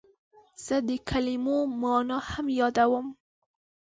زه د کلمو مانا هم یادوم.